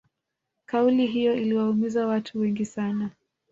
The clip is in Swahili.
kauli hiyo iliwaumiza watu wengi sana